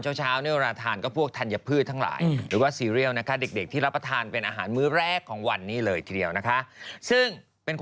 ฉันจะประจานเธอออกนอกฉันไม่ได้อยู่ในจอฉันก็จะตามมาประจานเธอเดี๋ยวก่อน